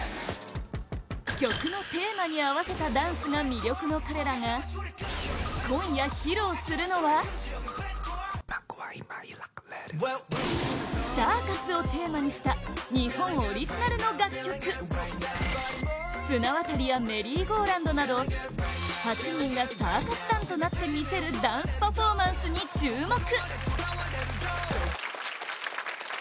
曲のテーマに合わせたダンスが魅力の彼らが今夜、披露するのはサーカスをテーマにした日本オリジナルの楽曲綱渡りやメリーゴーラウンドなど８人がサーカス団となってみせるダンスパフォーマンスに注目！